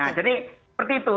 nah jadi seperti itu